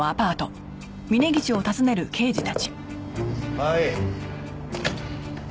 はい。